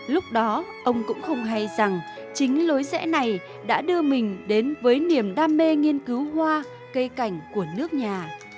lúc đó ông cũng không hay rằng chính lối rẽ này đã đưa mình đến với niềm đam mê nghiên cứu hoa cây cảnh của nước nhà